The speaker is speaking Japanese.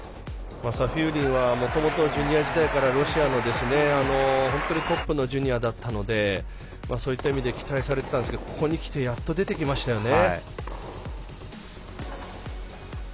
サフィウリンはもともと、ジュニア時代からロシアの本当にトップのジュニアだったのでそういった意味で期待されていたんですがここに来てやっと出てきましたね。